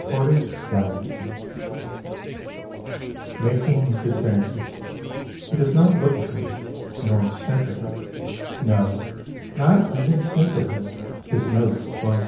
TORTOISE GALLANTRY Making his advances He does not look at her, nor sniff at her, No, not even sniff at her, his nose is blank.